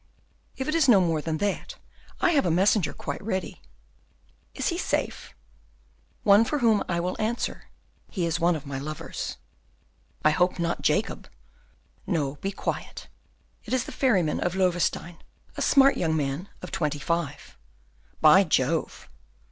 "If it is no more than that, I have a messenger quite ready." "Is he safe?" "One for whom I will answer, he is one of my lovers." "I hope not Jacob." "No, be quiet, it is the ferryman of Loewestein, a smart young man of twenty five." "By Jove!"